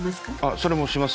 それもします。